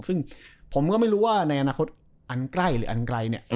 ซึ่งผมก็ไม่รู้ว่าในอนาคตอันใกล้หรืออันไกลเนี่ย